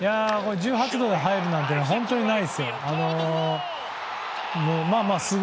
１８度なんて本当ないですよ。